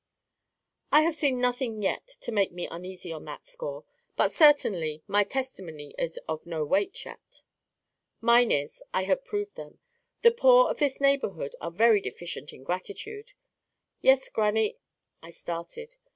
"I have seen nothing yet to make me uneasy on that score. But certainly my testimony is of no weight yet." "Mine is. I have proved them. The poor of this neighbourhood are very deficient in gratitude." "Yes, grannie,——" I started.